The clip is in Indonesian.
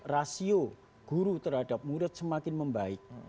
rasio guru terhadap murid semakin membaik